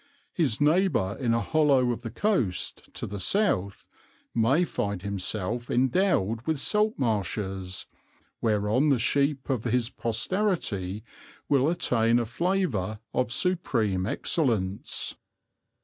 His neighbour in a hollow of the coast to the south may find himself endowed with salt marshes, whereon the sheep of his posterity will attain a flavour of supreme excellence.